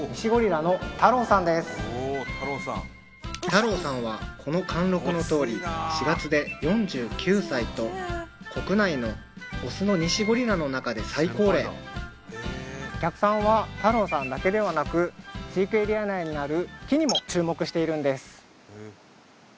タロウさんはこの貫禄のとおり４月で４９歳と国内のオスのニシゴリラの中で最高齢お客さんはタロウさんだけではなく飼育エリア内にある木にも注目しているんです